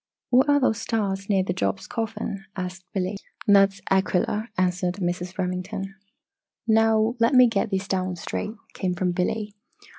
"What are those stars near Job's Coffin?" asked Billy. "That is Aquilla," answered Mrs. Remington. "Now let me get these down straight," came from Billy.